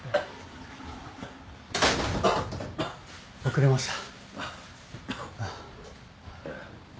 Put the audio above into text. ・・遅れました。